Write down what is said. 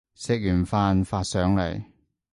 食完飯發上嚟